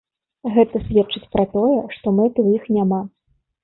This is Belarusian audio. Гэта сведчыць пра тое, што мэты ў іх няма.